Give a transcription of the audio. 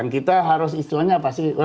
kita harus istilahnya apa sih